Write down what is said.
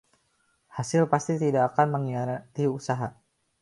Hasil pasti tidak akang mengkhianati usaha.